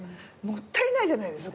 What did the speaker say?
もったいないじゃないですか。